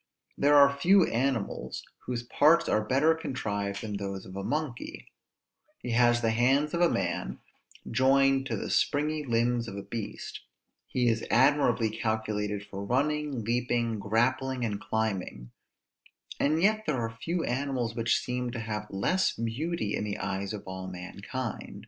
There are few animals whose parts are better contrived than those of a monkey: he has the hands of a man, joined to the springy limbs of a beast; he is admirably calculated for running, leaping, grappling, and climbing; and yet there are few animals which seem to have less beauty in the eyes of all mankind.